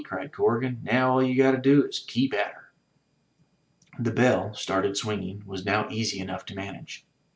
cried Corrigan. "Now all you got to do is to keep at her." The bell, started swinging, was now easy enough to manage.